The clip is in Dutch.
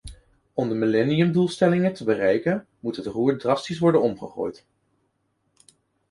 Om de millenniumdoelstellingen te bereiken moet het roer drastisch worden omgegooid.